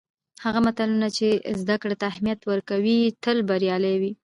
هغه ملتونه چې زدهکړې ته اهمیت ورکوي، تل بریالي وي.